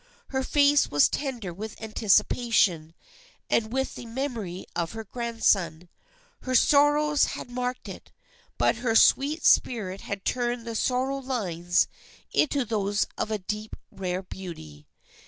Her face was tender with anticipation, and with the memory of her grandson. Her sorrows had marked it, but her sweet spirit had turned the sor row lines into those of a deep rare beauty.